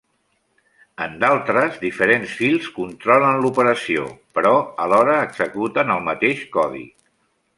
En d'altres, diferents fils controlen l'operació, però alhora executen el mateix codi.